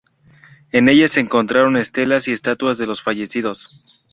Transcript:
En ella se encontraron estelas y estatuas de los fallecidos.